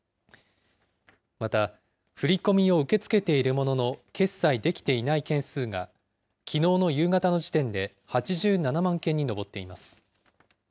また、振り込みを受け付けているものの、決済できていない件数が、きのうの夕方の時点で８７万件に上っています。